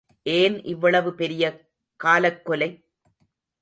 ஏன் இவ்வளவு பெரிய காலக்கொலை?